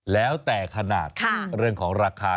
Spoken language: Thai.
แล้วแต่ขนาดเรื่องของราคา